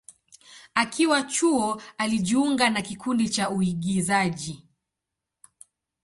Akiwa chuo, alijiunga na kikundi cha uigizaji.